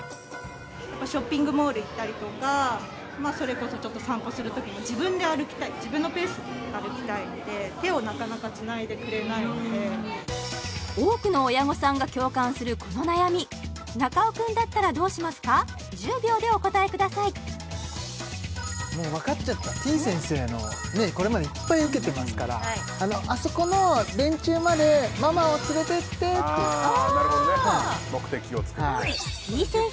ショッピングモール行ったりとかそれこそちょっと散歩する時も自分で歩きたい自分のペースで歩きたいので多くの親御さんが共感するこの悩み中尾君だったらどうしますか１０秒でお答えくださいもう分かっちゃったてぃ先生のねっこれまでいっぱい受けてますから「あそこの電柱までママを連れてって」ってあ